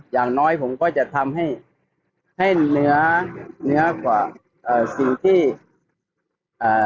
อย่างน้อยผมก็จะทำให้ให้ให้เนื้อเหนือเนื้อกว่าเอ่อสิ่งที่อ่า